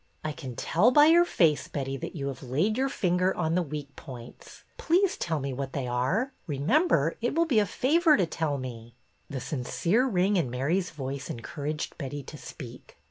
" I can tell by your face, Betty, that you have laid your finger on the weak points. Please tell me what they are. Remember, it will be a favor to tell me." MARY KING'S PLAN 247 The sincere ring in Mary's voice encouraged Betty to speak.